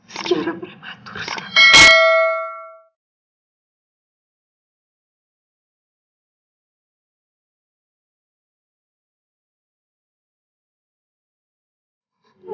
sejarah prematur sekarang